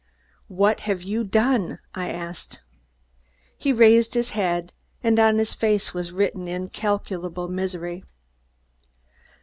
"What have you done?" I asked. He raised his head, and on his face was written incalculable misery.